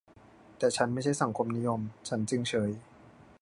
แต่ฉันไม่ใช่สังคมนิยม ฉันจึงเฉย